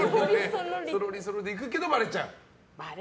そろりそろりで行くけどばれちゃう？